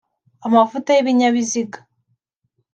amavuta y’ibinyabiziga